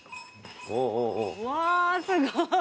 うわすごい。